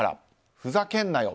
ふざけんなよ。